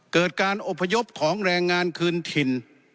เกิดการอบพยพของแรงงานคืนถิ่น